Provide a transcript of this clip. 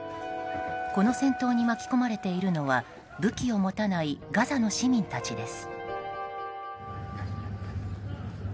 この戦闘に巻き込まれているのは武器を持たないガザの市民たちです。